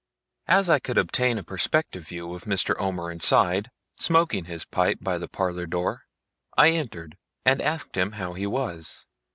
As I could obtain a perspective view of Mr. Omer inside, smoking his pipe by the parlour door, I entered, and asked him how he was.